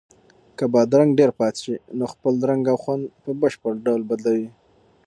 که بادرنګ ډېر پاتې شي نو خپل رنګ او خوند په بشپړ ډول بدلوي.